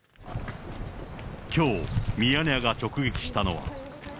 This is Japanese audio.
きょう、ミヤネ屋が直撃したのは。